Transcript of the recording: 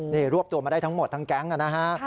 นี่รวบตัวมาได้ทั้งหมดทั้งแก๊งนะฮะ